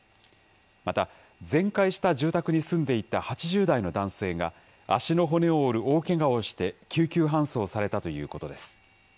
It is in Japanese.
また全壊した住宅に住んでいた８０代の男性が、足の骨を折る大けがをして救急搬送されたということです。